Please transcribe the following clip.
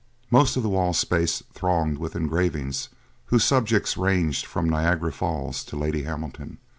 Most of the wall space thronged with engravings whose subjects ranged from Niagara Falls to Lady Hamilton.